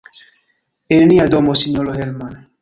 En nia domo, sinjoro Hermann.